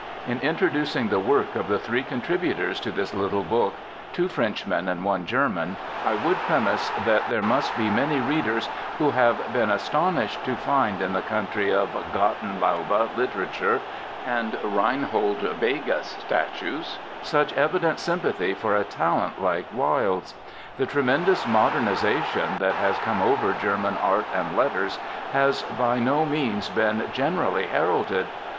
In introducing the work of the three contributors to this little book, two Frenchmen and one German, I would premise that there must be many readers who have been astonished to find in the country of Gartenlaube literature and Rheinhold Begas statues such evident sympathy for a talent like Wilde's. The tremendous modernisation that has come over German art and letters has by no means been generally heralded.